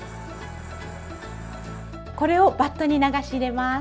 これをバットに流し入れます。